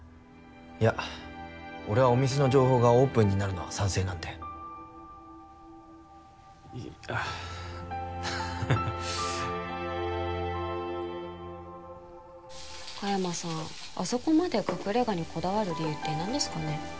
いや俺はお店の情報がオープンになるのは賛成なんでああ香山さんあそこまで隠れ家にこだわる理由って何ですかね？